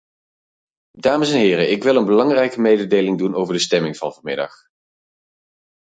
Dames en heren ik wil een belangrijke mededeling doen over de stemming van vanmiddag.